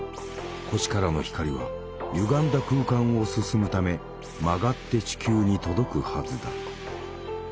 星からの光はゆがんだ空間を進むため曲がって地球に届くはずだ。